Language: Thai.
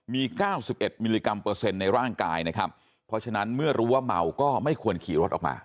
มี๙๑มิลลิกรัมเปอร์เซ็นต์ในร่างกายนะครับเพราะฉะนั้นเมื่อรู้ว่าเมาก็ไม่ควรขี่รถออกมา